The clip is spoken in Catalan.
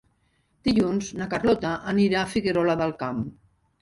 Dilluns na Carlota anirà a Figuerola del Camp.